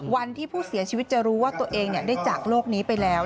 วันที่ผู้เสียชีวิตจะรู้ว่าตัวเองได้จากโลกนี้ไปแล้ว